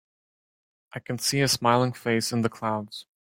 I can see a smiling face in the clouds.